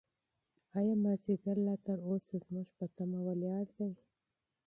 ایا مازیګر لا تر اوسه زموږ په تمه ولاړ دی؟